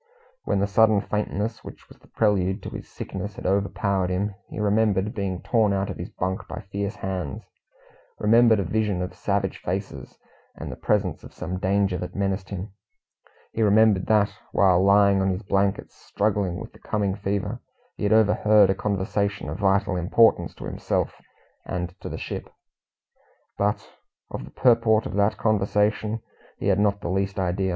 When the sudden faintness, which was the prelude to his sickness, had overpowered him, he remembered being torn out of his bunk by fierce hands remembered a vision of savage faces, and the presence of some danger that menaced him. He remembered that, while lying on his blankets, struggling with the coming fever, he had overheard a conversation of vital importance to himself and to the ship, but of the purport of that conversation he had not the least idea.